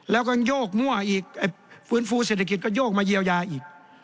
แล้วก็โยกมั่วอีกฟื้นฟูเศรษฐกิจก็โยกมาเยียวยาอีก